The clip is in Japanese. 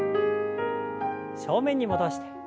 正面に戻して。